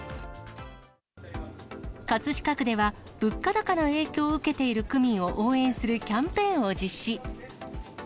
葛飾区では、物価高の影響を受けている区民を応援するキャンペーンを実施。